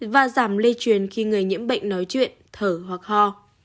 và giảm lây truyền khi người nhiễm bệnh nói chuyện thở hoặc ho